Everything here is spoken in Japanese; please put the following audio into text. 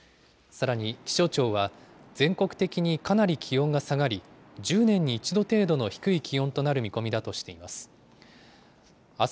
さらに、気象庁は、全国的にかなり気温が下がり、１０年に１度程度の低い気温となる見込みだとしています。